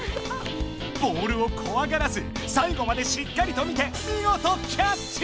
ボールをこわがらず最後までしっかりと見てみごとキャッチ！